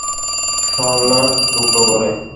সরলা ঢুকল ঘরে।